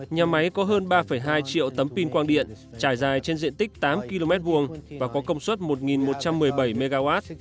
nhà máy có hơn ba hai triệu tấm pin quang điện trải dài trên diện tích tám km hai và có công suất một một trăm một mươi bảy mw